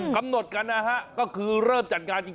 กำหนดกันนะฮะก็คือเริ่มจัดงานจริง